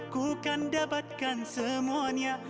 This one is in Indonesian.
ku kan dapatkan semuanya